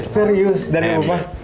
serius dari bapak